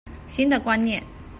新的觀念